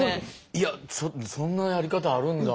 いやそんなやり方あるんだ。